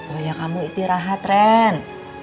wah ya kamu istirahat ren